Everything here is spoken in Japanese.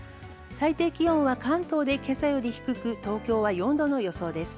最低気温は関東で今朝より低く東京は４度の予想です。